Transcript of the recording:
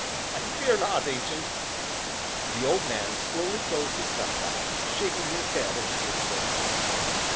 "I fear not, Ancient." The old man slowly closed his snuff box, shaking his head as he did so.